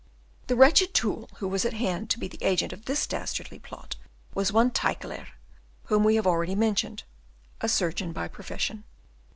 The wretched tool who was at hand to be the agent of this dastardly plot was one Tyckelaer whom we have already mentioned, a surgeon by profession.